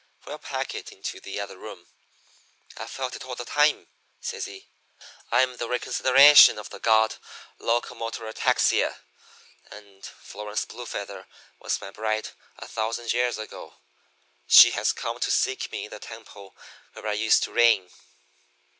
We'll pack it into the other room. I felt it all the time,' says he. 'I'm the reconsideration of the god Locomotorataxia, and Florence Blue Feather was my bride a thousand years ago. She has come to seek me in the temple where I used to reign.'